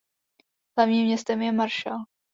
Hlavním městem je Marshall.